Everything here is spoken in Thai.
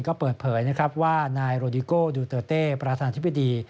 ก็เปิดเผยนะครับว่านายโรดิโก้ดูเตอร์เต้ประธานธิบดี